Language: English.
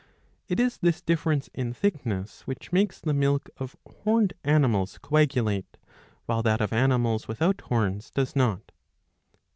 It is this difference in thickness^ which makes the milk of horned animals coagulate, while that of animals without horns does not.